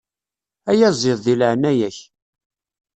Ayaziḍ, deg leɛnaya-k.